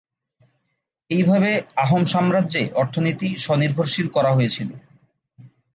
এইভাবে আহোম সাম্রাজ্যে অর্থনীতি স্ব-নির্ভরশীল করা হয়েছিল।